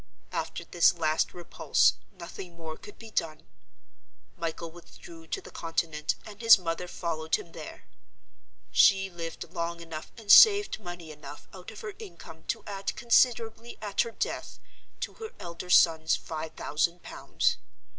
After this last repulse, nothing more could be done. Michael withdrew to the Continent; and his mother followed him there. She lived long enough, and saved money enough out of her income, to add considerably, at her death, to her elder son's five thousand pounds.